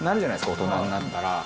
大人になったら。